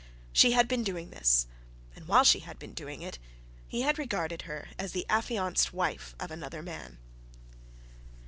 She had been doing this, and while she had been doing it he had regarded her as the affianced wife of another man.